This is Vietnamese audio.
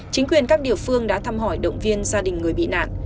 chính quyền các địa phương đã thăm hỏi động viên gia đình người bị nạn